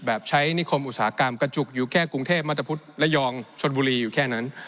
ใช้นิคมอุตสาหกรรมกระจุกอยู่แค่กรุงเทพมัธพุธระยองชนบุรีอยู่แค่นั้น